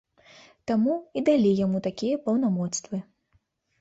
Таму і далі яму такія паўнамоцтвы.